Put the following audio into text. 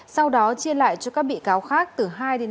sau đó chia lại cho các bị cáo khác từ hai ba